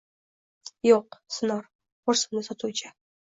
Yo`q, sinor, xo`rsindi sotuvchi